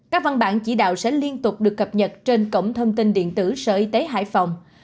các văn bản chỉ đạo sẽ liên tục được cập nhật trên cổng thông tin điện tử sở y tế hải phòng